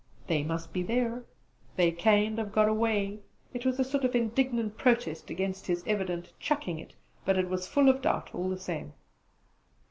"They must be there; they can't have got away?" It was a sort of indignant protest against his evident 'chucking it'; but it was full of doubt all the same.